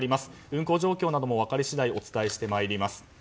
運行状況なども分かり次第お伝えしてまいります。